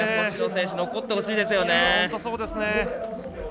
星野選手残ってほしいですよね。